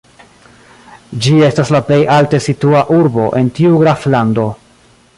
Ĝi estas la plej alte situa urbo en tiu graflando.